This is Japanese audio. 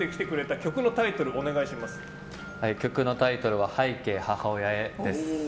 曲のタイトルは「拝啓、母親へ」です。